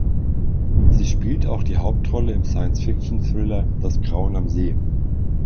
Sie spielte auch die Hauptrolle im Science-Fiction-Thriller "Das Grauen am See".